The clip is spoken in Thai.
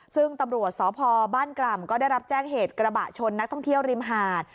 ซึ่งตำรวจสพบ้านกล่ำก็ได้รับแจ้งเหตุกระบะชนนักท่องเที่ยวริมหาด